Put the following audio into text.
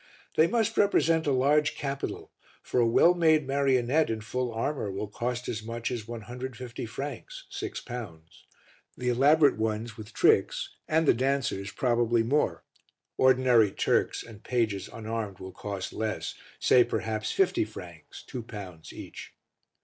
They must represent a large capital, for a well made marionette in full armour will cost as much as 150 francs (6 pounds), the elaborate ones, with tricks, and the dancers probably more; ordinary Turks and pages unarmed will cost less, say perhaps 50 francs (2 pounds) each.